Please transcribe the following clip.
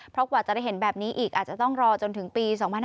เพราะกว่าจะได้เห็นแบบนี้อีกอาจจะต้องรอจนถึงปี๒๕๕๙